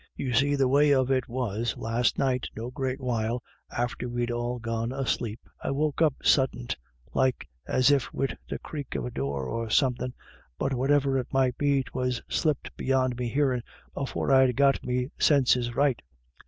" You see the way of it was, last night, no great while after we'd all gone asleep, I woke up suddint, like as if wid the crake of a door, or something but whatever it might be, 'twas slipped beyond me hearin' afore I'd got me sinses rightly.